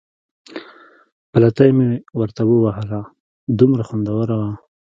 پلتۍ مې ورته ووهله، دومره خوندوره وه.